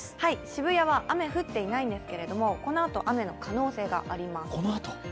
渋谷は雨、降っていないんですけれども、このあと雨の可能性があります。